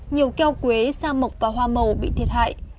nhiều keo quế sa mộc và hoa màu bị thiệt hại